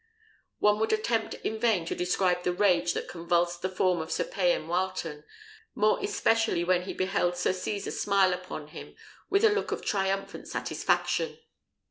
One would attempt in vain to describe the rage that convulsed the form of Sir Payan Wileton, more especially when he beheld Sir Cesar smile upon him with a look of triumphant satisfaction.